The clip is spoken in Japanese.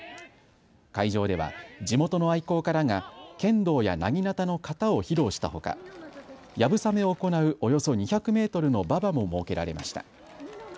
会場では地元の愛好家らが剣道やなぎなたの形を披露したほかやぶさめを行うおよそ２００メートルの馬場も設けられました。